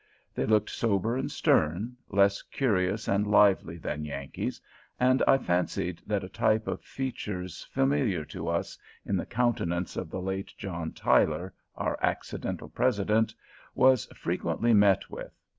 They looked sober and stern, less curious and lively than Yankees, and I fancied that a type of features familiar to us in the countenance of the late John Tyler, our accidental President, was frequently met with.